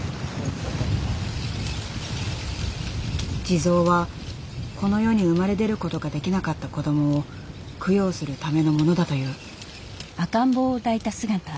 地蔵はこの世に生まれ出る事ができなかった子どもを供養するためのものだという。